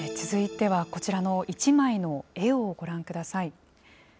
続いてはこちらの一枚の絵をご覧ください。